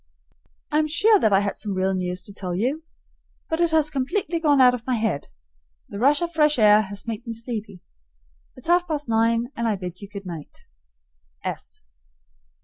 I am sure that I had some real news to tell you, but it has completely gone out of my head. The rush of fresh air has made me sleepy. It's half past nine, and I bid you good night.